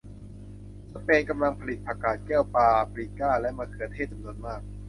สเปนกำลังผลิตผักกาดแก้วปาปริก้าและมะเขือเทศจำนวนมาก